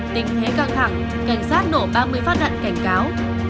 tình thế căng thẳng cảnh sát nổ ba mươi phát nạn cảnh cáo